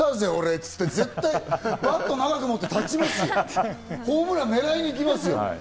っつって、絶対、バットを長く持って立ちますよ、ホームラン狙いに行きますよ。